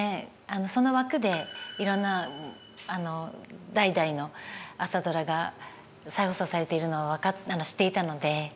その枠でいろんな代々の「朝ドラ」が再放送されているのは知っていたので。